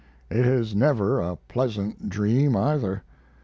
It is never a pleasant dream, either.